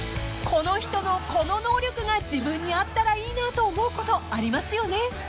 ［この人のこの能力が自分にあったらいいなと思うことありますよね］